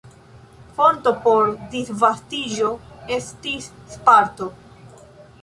Fonto por disvastiĝo estis Sparto.